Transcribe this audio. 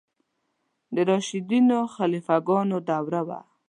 د راشدینو خلیفه ګانو دوره وه.